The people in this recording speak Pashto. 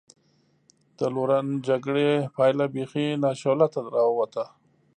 د لورن جګړې پایله بېخي ناشولته را ووته.